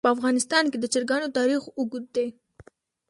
په افغانستان کې د چرګانو تاریخ اوږد دی.